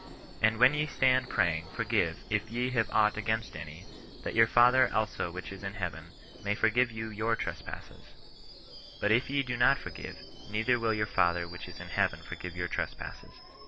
" And when ye stand praying, forgive, if ye have aught against any, that yom* Father also which is in heaven may forgive you your trespasses ; but if ye do not forgive, neither will your Father which is in heaven forgive your trespasses."